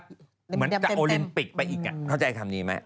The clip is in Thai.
เหมือนกับโอลิมปิกไปอีกเข้าใจคำนี้ไหม